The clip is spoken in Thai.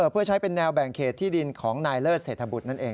เพื่อใช้เป็นแนวแบ่งเขตที่ดินของนายเลิศเศรษฐบุตรนั่นเอง